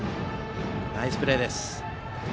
ナイスプレーです。